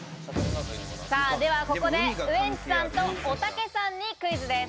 ではここでウエンツさんとおたけさんにクイズです。